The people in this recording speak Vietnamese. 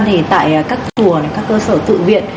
thì tại các chùa các cơ sở tự viện